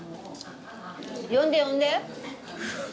呼んで呼んで。